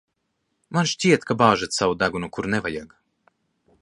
Man šķiet, ka bāžat savu degunu, kur nevajag.